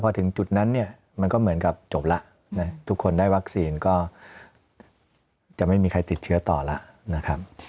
พอถึงจุดนั้นเนี่ยมันก็เหมือนกับจบแล้วทุกคนได้วัคซีนก็จะไม่มีใครติดเชื้อต่อแล้วนะครับ